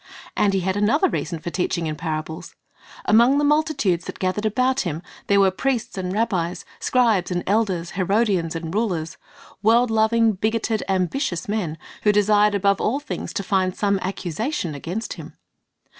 And He had another reason for teaching in parables. Among the multitudes that gathered about Him, there were priests and rabbis, scribes and elders, Herodians and rulers, world loving, bigoted, ambitious men, who desired above all things to find some accusation against Him.